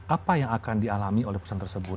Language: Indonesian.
apa yang akan dialami oleh perusahaan tersebut